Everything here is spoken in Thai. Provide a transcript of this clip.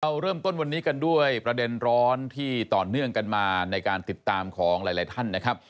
เริ่มต้นวันนี้กันด้วยประเด็นร้อนที่ต่อเนื่องกันมาในการติดตามของหลายท่านนะครับ